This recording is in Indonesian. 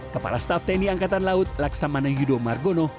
kepala staf tni angkatan laut laksamana yudo margono